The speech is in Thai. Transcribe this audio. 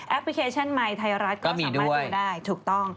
พลิเคชันไมค์ไทยรัฐก็สามารถดูได้ถูกต้อง